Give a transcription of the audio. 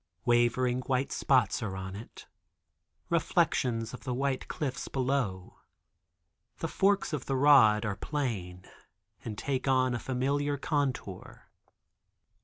Wavering white spots are on it; reflections of the white cliffs below. The forks of the rod are plain and take on a familiar contour.